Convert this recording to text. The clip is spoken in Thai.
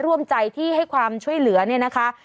ร่วมใจที่ให้ความช่วยเหลือเนี่ยนะคะ